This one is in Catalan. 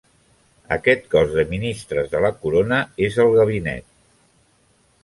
Aquest cos de ministres de la Corona és el Gabinet.